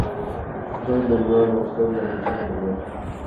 Sus padres la animaron a buscar una educación de calidad.